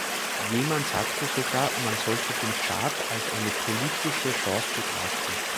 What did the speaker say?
Jemand sagte sogar, man sollte den Tschad als eine politische Chance betrachten.